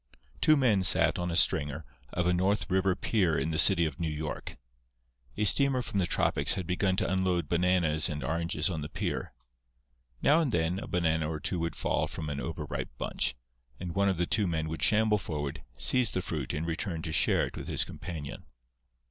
Two men sat on a stringer of a North River pier in the City of New York. A steamer from the tropics had begun to unload bananas and oranges on the pier. Now and then a banana or two would fall from an overripe bunch, and one of the two men would shamble forward, seize the fruit and return to share it with his companion.